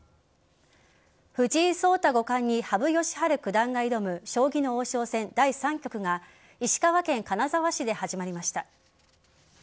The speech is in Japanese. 藤井聡太五冠に羽生善治九段が挑む将棋の王将戦第３局が石川県金沢市で始まりました。